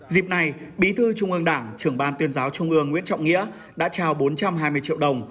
dịp này bí thư trung ương đảng trưởng ban tuyên giáo trung ương nguyễn trọng nghĩa đã trao bốn trăm hai mươi triệu đồng